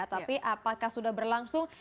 tapi apakah sudah berlangsung